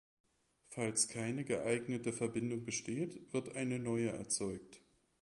Falls keine geeignete Verbindung besteht, wird eine neue erzeugt.